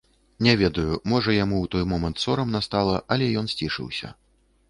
Не ведаю, можа, яму ў той момант сорамна стала, але ён сцішыўся.